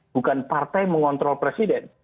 bukan partai mengontrol presiden